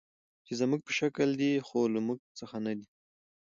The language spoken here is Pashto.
چې زموږ په شکل دي، خو له موږ څخه نه دي.